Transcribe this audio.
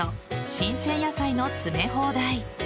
新鮮野菜の詰め放題。